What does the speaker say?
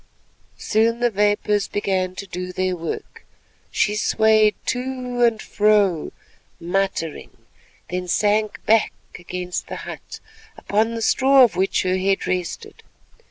Soon the vapours began to do their work; she swayed to and fro muttering, then sank back against the hut, upon the straw of which her head rested.